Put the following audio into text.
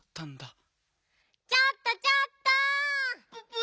ちょっとちょっと！ププ！